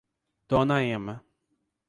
Dona Emma